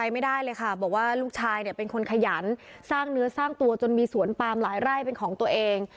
ไม่ได้เลยค่ะบอกว่าลูกชายเนี่ยเป็นคนขยันสร้างเนื้อสร้างตัวจนมีสวนปามหลายไร่เป็นของตัวเอง